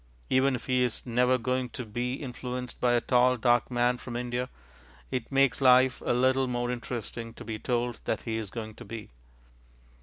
Even if he is never going to be influenced by a tall dark man from India, it makes life a little more interesting to be told that he is going to be.